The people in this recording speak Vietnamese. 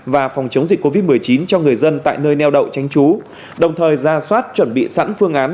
và phòng chống dịch covid một mươi chín cho người dân tại nơi neo đậu tránh trú đồng thời ra soát chuẩn bị sẵn phương án